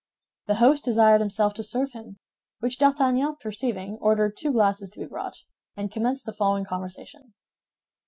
The host desired himself to serve him; which D'Artagnan perceiving, ordered two glasses to be brought, and commenced the following conversation.